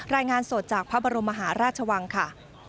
รายงานสดจากพระบรมมหาราชวังค่ะ